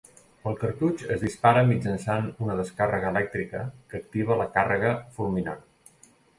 El cartutx es dispara mitjançant una descàrrega elèctrica que activa la càrrega fulminant.